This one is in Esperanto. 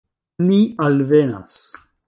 Ni alvenas.